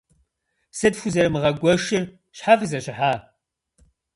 - Сыт фхузэрымыгъэгуэшыр? Щхьэ фызэщыхьа?